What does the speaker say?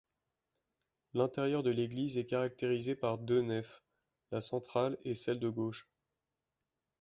L'intérieur de l'église est caractérisé par deux nefs, la centrale et celle de gauche.